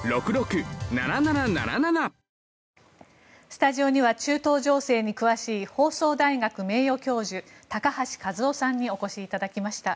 スタジオには中東情勢に詳しい放送大学名誉教授高橋和夫さんにお越しいただきました。